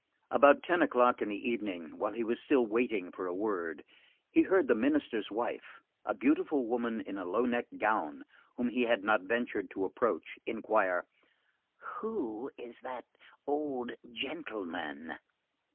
About ten o'clock in the evening, while he was still waiting for a word, he heard the Minister's wife, a beautiful woman in a low necked gown whom he had not ventured to approach, inquire: "Who is that old gentleman?"